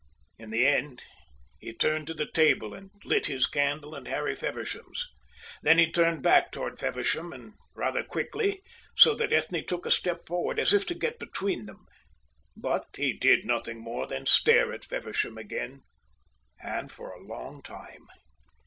In the end he turned to the table and lit his candle and Harry Feversham's. Then he turned back toward Feversham, and rather quickly, so that Ethne took a step forward as if to get between them; but he did nothing more than stare at Feversham again and for a long time.